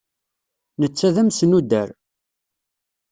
Netta d amesnuder.